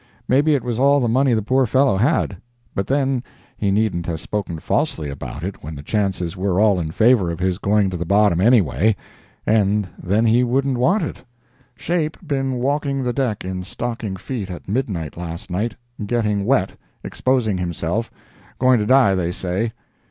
Maybe it was all the money the poor fellow had, but then he needn't have spoken falsely about it when the chances were all in favor of his going to the bottom anyway, and then he wouldn't want it." "'Shape' been walking the deck in stocking feet at midnight last night—getting wet—exposing himself—going to die, they say."